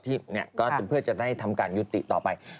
ก็เพื่อจะได้ทำการยุติต่อไป